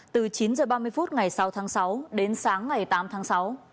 từ chín h ba mươi phút ngày sáu tháng sáu đến sáng ngày tám tháng sáu